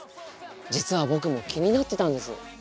実は僕も気になってたんです。